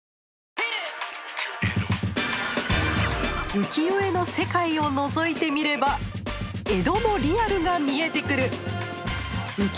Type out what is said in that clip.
浮世絵の世界をのぞいてみれば江戸のリアルが見えてくる。